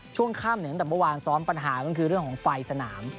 ช่วงค่ำตั้งแต่เมื่อวานซ้อมปัญหาก็คือเรื่องของไฟสนาม